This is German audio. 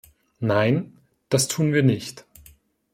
Nein, das tun wir nicht.